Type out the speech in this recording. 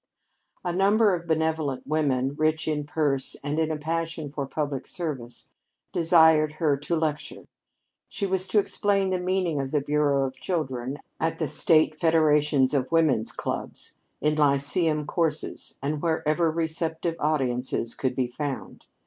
A number of benevolent women rich in purse and in a passion for public service desired her to lecture. She was to explain the meaning of the Bureau of Children at the state federations of women's clubs, in lyceum courses, and wherever receptive audiences could be found.